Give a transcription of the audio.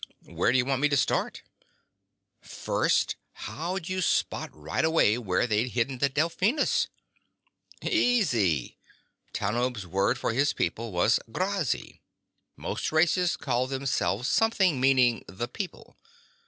"Where do you want me to start?" "First, how'd you spot right away where they'd hidden the Delphinus?" "Easy. Tanub's word for his people was Grazzi. Most races call themselves something meaning The People.